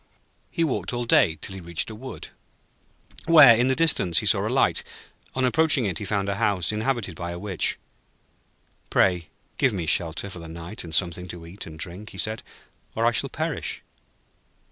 He walked all day, till he reached a wood, where, in the distance, he saw a light. On approaching it, he found a house inhabited by a Witch. 'Pray give me shelter for the night, and something to eat and drink,' he said, 'or I shall perish.'